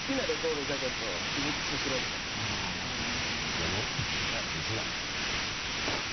でね実はねパッ。